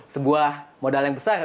sebuah modal yang besar